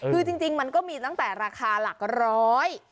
คือจริงมันก็มีตั้งแต่ราคาหลักร้อย